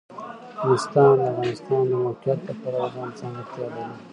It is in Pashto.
افغانستان د د افغانستان د موقعیت د پلوه ځانته ځانګړتیا لري.